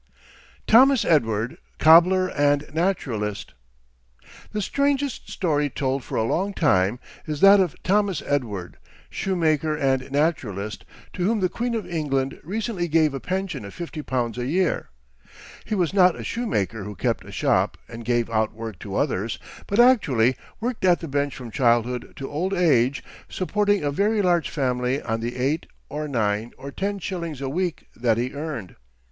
THOMAS EDWARD, COBBLER AND NATURALIST. The strangest story told for a long time is that of Thomas Edward, shoemaker and naturalist, to whom the Queen of England recently gave a pension of fifty pounds a year. He was not a shoemaker who kept a shop and gave out work to others, but actually worked at the bench from childhood to old age, supporting a very large family on the eight or nine or ten shillings a week that he earned.